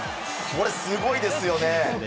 これ、すごいですよね。